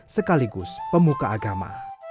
sekaligus pemuka agama